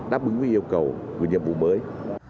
đáp ứng với yêu cầu của nhiệm vụ mới